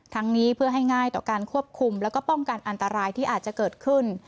นี้เพื่อให้ง่ายต่อการควบคุมแล้วก็ป้องกันอันตรายที่อาจจะเกิดขึ้น